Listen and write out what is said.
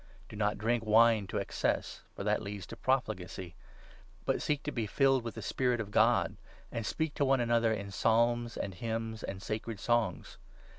Do not drink wine to excess, 18 for that leads to profligacy ; but seek to be filled with the Spirit of God, and speak to one another in psalms and hymns and sacred songs.